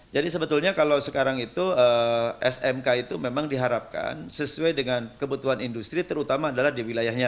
jadi sebetulnya kalau sekarang itu smk itu memang diharapkan sesuai dengan kebutuhan industri terutama adalah di wilayahnya